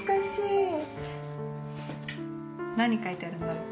何書いてあるんだろう。